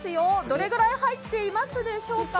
どれぐらい入っていますでしょうか。